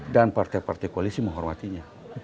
dan partai partai koalisi menghormatinya